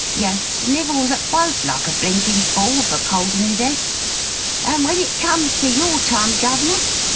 Yer snivels at bofe like a blinkin' fool wiv a cold in 'is 'ead. And when it comes to your time, Guv'nor!